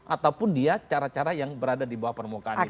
ataupun dia cara cara yang berada di bawah permukaan itu